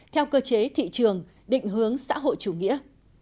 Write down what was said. theo cơ chế thị trường định hướng xã hội chủ nghĩa